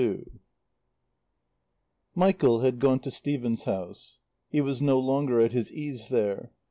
XXII Michael had gone to Stephen's house. He was no longer at his ease there.